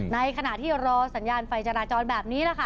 ในขณะที่รอสัญญาณไฟจราจรแบบนี้แหละค่ะ